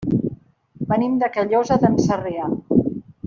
Venim de Callosa d'en Sarrià.